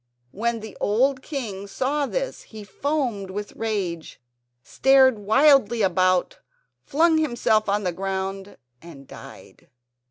When the old king saw this he foamed with rage, stared wildly about, flung himself on the ground and died.